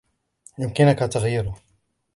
يمكنك تغييره